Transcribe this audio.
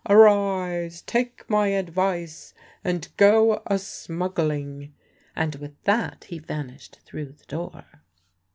Arise, take my advice, and go a smuggling." And with that he vanished through the door.